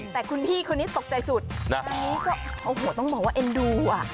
แต่คุณพี่คนนี้ตกใจสุดอันนี้ก็โอ้โหต้องบอกว่าเอ็นดูอ่ะ